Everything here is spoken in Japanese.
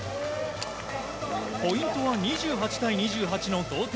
ポイントは２８対２８の同点。